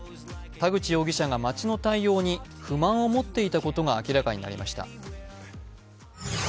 田口容疑者が町の対応に不満を持っていたことが分かりました。